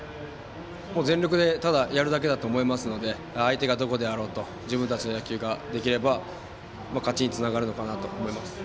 全力でただやるだけだと思いますので相手がどこであろうと自分たちの野球ができれば勝ちにつながるのかなと思います。